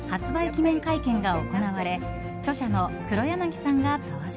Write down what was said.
記念会見が行われ著者の黒柳さんが登場。